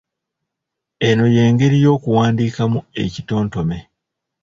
Eno y'engeri y’okuwandiikamu ekitontome